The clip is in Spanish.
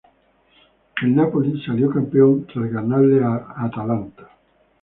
El Napoli salió campeón tras ganarle al Atalanta.